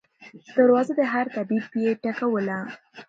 دروازه د هر طبیب یې ټکوله